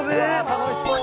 楽しそう。